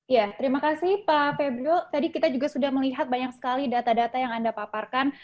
ya terima kasih pak febrio tadi kita juga sudah melihat banyak sekali data data yang anda paparkan